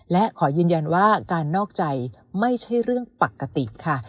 และขอยืนยันว่าการนอกใจไม่ใช่เรื่องปกติค่ะ